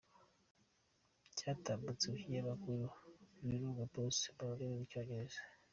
Cyatambutse mu kinyamakuru VirungaPost mu rurimi rw’Icyongereza.